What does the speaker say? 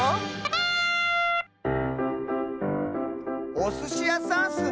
おすしやさんスね！